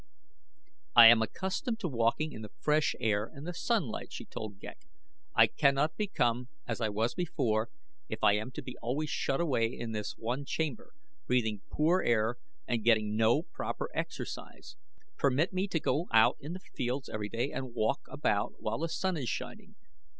"I am accustomed to walking in the fresh air and the sunlight," she told Ghek. "I cannot become as I was before if I am to be always shut away in this one chamber, breathing poor air and getting no proper exercise. Permit me to go out in the fields every day and walk about while the sun is shining.